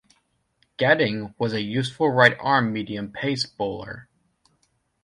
Gatting was a useful right arm medium pace bowler.